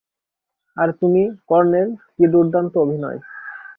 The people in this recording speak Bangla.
আর তুমি, কর্নেল, কী দুর্দান্ত অভিনয়।